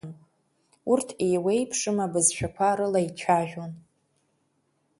Урҭ, еиуеиԥшым абызшәақәа рыла ицәажәон.